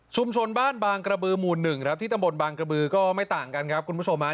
บ้านบางกระบือหมู่๑ครับที่ตำบลบางกระบือก็ไม่ต่างกันครับคุณผู้ชมฮะ